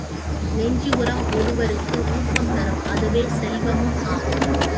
நெஞ்சு உரம் ஒருவர்க்கு ஊக்கம் தரும் அதுவே செல்வமும் ஆகும்.